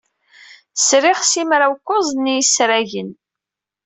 Sriɣ simraw-kuẓ n yisragen.